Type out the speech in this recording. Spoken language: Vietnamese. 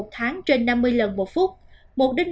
hai một mươi một tháng trên năm mươi lần một phút